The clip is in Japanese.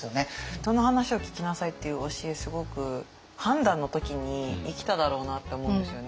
「人の話を聞きなさい」っていう教えすごく判断の時に生きただろうなって思うんですよね。